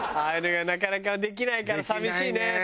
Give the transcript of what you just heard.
あれがなかなかできないから寂しいね